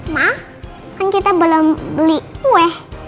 mah kan kita belum beli kue